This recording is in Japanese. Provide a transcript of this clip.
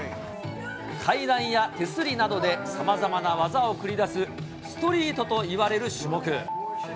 階段や手すりなどでさまざまな技を繰り出すストリートといわれる種目。